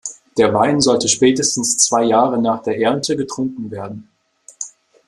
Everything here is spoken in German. Der Wein sollte spätestens zwei Jahre nach der Ernte getrunken werden.